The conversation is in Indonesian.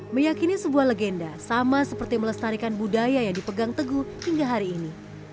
meyakini sebuah legenda sama seperti melestarikan budaya yang dipegang teguh hingga hari ini